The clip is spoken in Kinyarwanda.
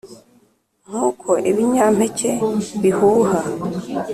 nkuko ibinyampeke bihuha